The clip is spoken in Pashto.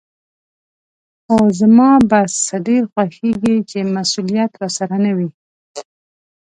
خو زما بس ډېر خوښېږي چې مسولیت راسره نه وي.